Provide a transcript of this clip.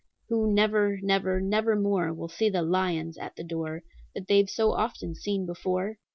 "Who never, never, nevermore Will see the 'lions' at the door That they've so often seen before?